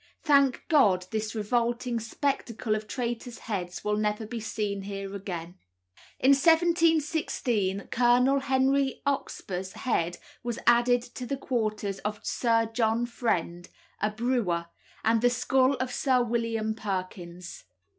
Thank God, this revolting spectacle of traitors' heads will never be seen here again. In 1716 Colonel Henry Oxburgh's head was added to the quarters of Sir John Friend (a brewer) and the skull of Sir William Perkins.